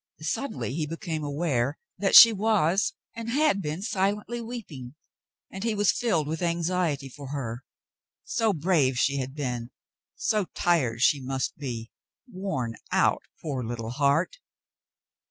Suddenly he became aware that she was and had been silently weeping, and he was filled with anxiety for her, so brave she had been, so tired she must be — worn out — poor little heart